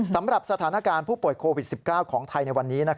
สำหรับสถานการณ์ผู้ป่วยโควิด๑๙ของไทยในวันนี้